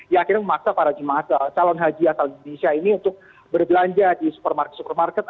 yang akhirnya memaksa para jemaah calon haji asal indonesia ini untuk berbelanja di supermarket supermarket